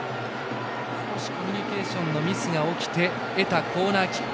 コミュニケーションのミスが起きて得たコーナーキック。